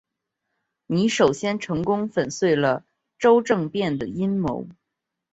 你首先成功粉碎了周政变的阴谋。